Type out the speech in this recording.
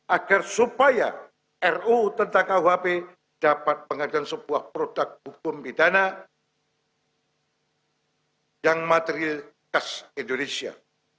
agar supaya ru tentang kuhp dapat menghadirkan sebuah produk hukum pidana yang materi khas indonesia